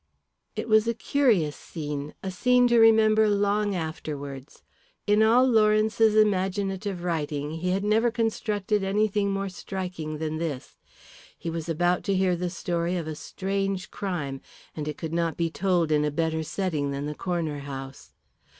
It was a curious scene, a scene to remember long afterwards. In all Lawrence's imaginative writing he had never constructed anything more striking than this. He was about to hear the story of a strange crime, and it could not be told in a better setting than the Corner House.